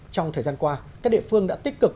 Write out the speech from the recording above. trong thời gian qua các địa phương đã tích cực